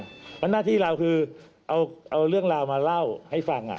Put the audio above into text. เพราะหน้าที่เราคือเอาเรื่องราวมาเล่าให้ฟัง